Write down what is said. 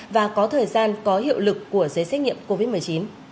và có thời gian có hiệu lực của giấy xét nghiệm covid một mươi chín